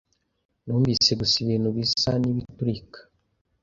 Numvise gusa ibintu bisa nkibiturika.